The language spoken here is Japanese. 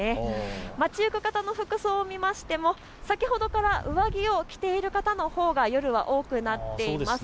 街行く方の服装を見ましても先ほどから上着を着ている方のほうが夜は多くなっています。